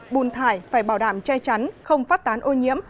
bùn thải phải bảo đảm che chắn không phát tán ô nhiễm